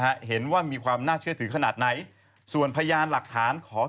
ขณะตอนอยู่ในสารนั้นไม่ได้พูดคุยกับครูปรีชาเลย